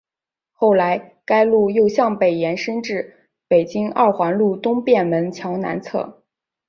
后来该路又向北延长至北京二环路东便门桥南侧。